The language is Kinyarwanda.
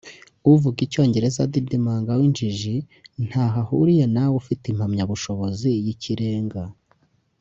uvuga icyongereza adidimanga w’injiji ntaho ahuriye nawe ufite impamyabushobozi y’ikirenga